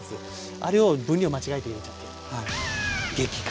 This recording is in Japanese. あれを分量間違えて入れちゃって激辛。